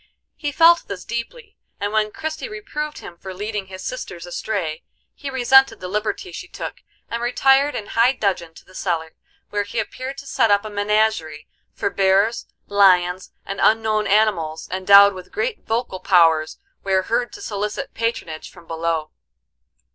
He felt this deeply, and when Christie reproved him for leading his sisters astray, he resented the liberty she took, and retired in high dudgeon to the cellar, where he appeared to set up a menagerie,—for bears, lions, and unknown animals, endowed with great vocal powers, were heard to solicit patronage from below.